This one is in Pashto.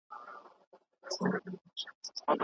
اقتصاد پوهان به نوي مفاهيم ټولنې ته وړاندې کړي.